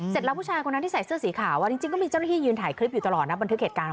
เสร็จแล้วผู้ชายคนนั้นที่ใส่เสื้อสีขาวจริงก็มีเจ้าหน้าที่ยืนถ่ายคลิปอยู่ตลอดนะบันทึกเหตุการณ์